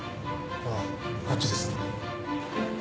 あっこっちです。